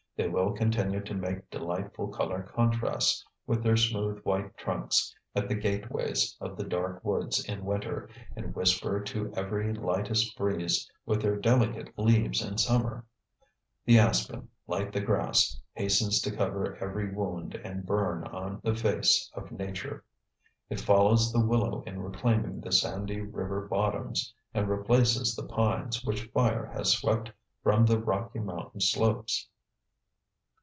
They will continue to make delightful color contrasts with their smooth white trunks at the gateways of the dark woods in winter and whisper to every lightest breeze with their delicate leaves in summer. The aspen, like the grass, hastens to cover every wound and burn on the face of nature. It follows the willow in reclaiming the sandy river bottoms and replaces the pines which fire has swept from the Rocky Mountain slopes.